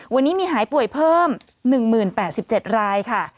วันนี้มีหายป่วยเพิ่ม๑๐๘๗รายค่ะ